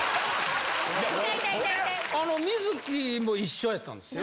観月も一緒やったんすよ。